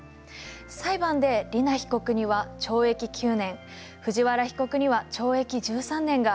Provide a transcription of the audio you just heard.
裁判で莉菜被告には懲役９年藤原被告には懲役１３年が言い渡されています。